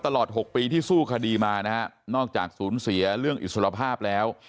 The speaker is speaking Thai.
ตลอด๖ปีที่สู้คดีมานะครับนอกจากสูญเสียเรื่องอิสระภาพแล้ว